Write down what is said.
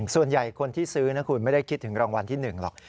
คนที่ซื้อนะคุณไม่ได้คิดถึงรางวัลที่๑หรอก